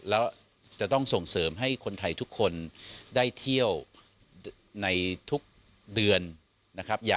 แล้วจะต้องส่งเสริมให้คนไทยทุกคนได้เที่ยวในทุกเดือนนะครับ